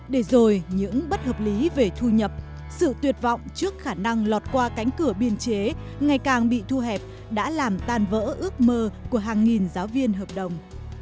để rồi những bất hợp lý về thu nhập sự tuyệt vọng trước khả năng lọt qua cánh cửa biên chế ngày càng bị thu hẹp đã làm tan vỡ ước mơ của hàng nghìn giáo viên hợp đồng